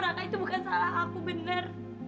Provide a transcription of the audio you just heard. maka itu bukan salah aku benar